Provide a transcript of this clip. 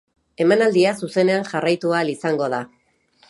Emanaldia zuzenean jarraitu ahal izango da.